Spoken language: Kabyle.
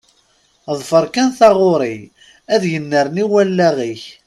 Ḍfeṛ kan taɣuṛi, ad yennerni wallaɣ-ik.